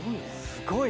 すごい！